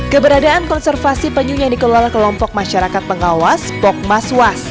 keberadaan konservasi penyu yang dikelola kelompok masyarakat pengawas pokmaswas